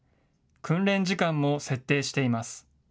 訓練時間も設定しています。